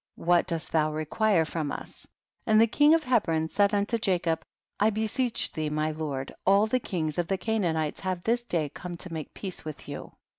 what dost thou re quire from us ? and the king of He bron said unto Jacob, I beseech thee my lord, all the kings of the Canaan ites have this day come to make peace with you.